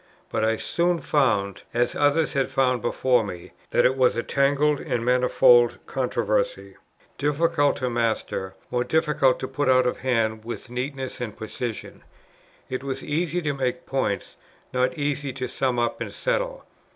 But I soon found, as others had found before me, that it was a tangled and manifold controversy, difficult to master, more difficult to put out of hand with neatness and precision. It was easy to make points, not easy to sum up and settle.